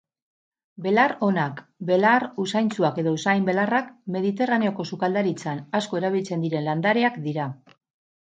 Belar onak, belar usaintsuak edo usain-belarrak mediterraneoko sukaldaritzan asko erabiltzen diren landareak dira